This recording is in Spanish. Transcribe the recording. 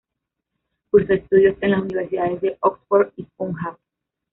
Cursó estudios en las universidades de Oxford y Punjab.